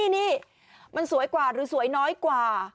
นี่มันสวยกว่าหรือสวยน้อยกว่า